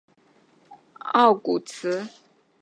首府奥古兹。